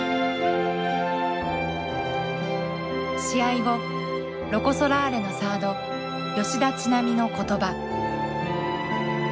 試合後ロコ・ソラーレのサード吉田知那美の言葉。